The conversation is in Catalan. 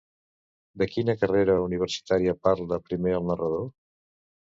De quina carrera universitària parla primer el narrador?